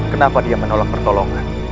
kenapa dia menolak pertolongan